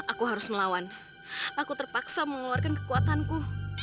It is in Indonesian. aku harus melawan aku terpaksa mengeluarkan kekuatanku